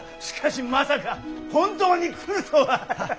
しかしまさか本当に来るとは。